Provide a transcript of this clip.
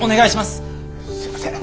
すいません。